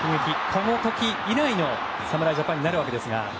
この時以来の侍ジャパンになるわけですが。